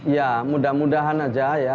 ya mudah mudahan aja ya